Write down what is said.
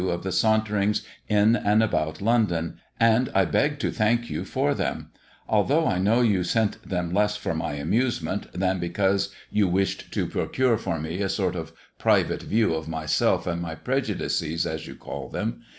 of the "Saunterings in and about London;" and I beg to thank you for them; although I know you sent them less for my amusement than because you wished to procure for me a sort of private view of myself and my prejudices as you call them.